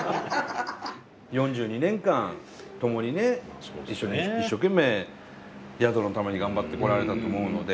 ４２年間共にね一生懸命宿のために頑張ってこられたと思うので。